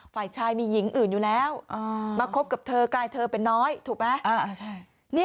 ฝ่ายชายมีหญิงอื่นอยู่แล้วมาคบกับเธอกลายเธอเป็นน้อยถูกไหม